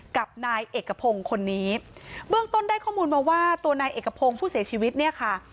กับนายเอกพงศ์คนนี้เบื้องต้นได้ข้อมูลมาว่าตัวนายเอกพงศ์ผู้เสียชีวิตเนี่ยค่ะ